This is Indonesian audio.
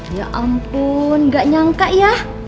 ya ampun gak nyangka ya